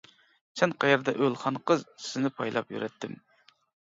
سىز قەيەردە ئۆل خانقىز، سىزنى پايلاپ يۈرەتتىم.